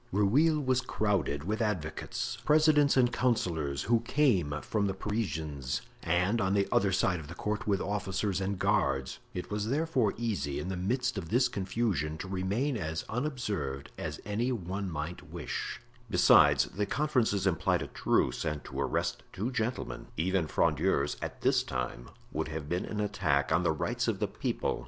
Rueil was crowded with advocates, presidents and councillors, who came from the Parisians, and, on the side of the court, with officers and guards; it was therefore easy, in the midst of this confusion, to remain as unobserved as any one might wish; besides, the conferences implied a truce, and to arrest two gentlemen, even Frondeurs, at this time, would have been an attack on the rights of the people.